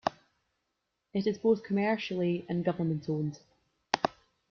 It is both commercially- and government-owned.